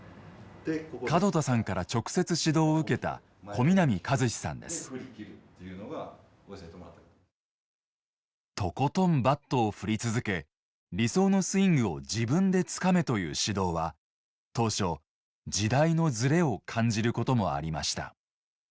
門田さんから直接指導を受けたとことんバットを振り続け理想のスイングを自分でつかめという指導は当初時代のずれを感じることもありました。